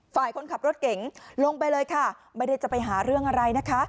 ฝ่ายคนขับรถเก๋งลงไปเลยค่ะไม่ได้จะไปหาเรื่องอะไรนะคะ